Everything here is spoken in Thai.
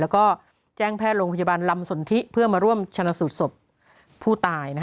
แล้วก็แจ้งแพทย์โรงพยาบาลลำสนทิเพื่อมาร่วมชนะสูตรศพผู้ตาย